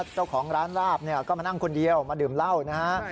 เจ้าของร้านราบก็มานั่งคนเดียวมาดื่มเหล้านะฮะ